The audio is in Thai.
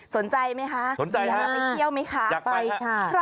สนใจไหมคะจะเอามาไปเที่ยวไหมคะ